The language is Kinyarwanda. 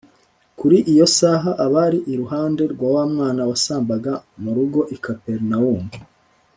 Kuri iyo saha abari iruhande rwa wa mwana wasambaga mu rugo i Kaperinawumu